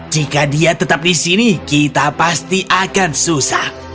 jika dia tetap di sini kita pasti akan susah